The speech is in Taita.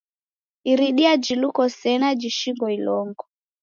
Iridia jiluko sena jishingo ilongo.